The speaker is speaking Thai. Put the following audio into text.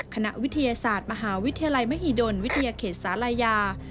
คณะวิทยาศาสตร์มหาวิทยาลัยมหิดลวิทยาเขตศาลายา